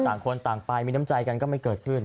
ต่างคนต่างไปมีน้ำใจกันก็ไม่เกิดขึ้น